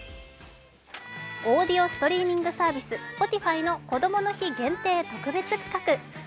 オーディオストリーミングサービス、Ｓｐｏｔｉｆｙのこどもの日限定特別企画。